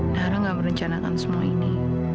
nara nggak merencanakan semua ini